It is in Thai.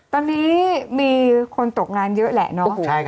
ตอนนี้มีคนตกงานเยอะแหละเนาะ